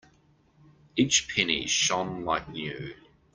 Each penny shone like new.